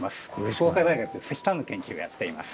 福岡大学で石炭の研究をやっています。